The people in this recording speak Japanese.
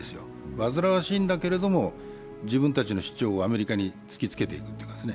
煩わしいんだけれども、自分たちの主張をアメリカに突きつけていくというかですね。